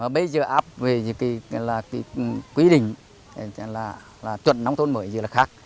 bây giờ áp về những cái là quy định là chuẩn nông thôn mới gì là khác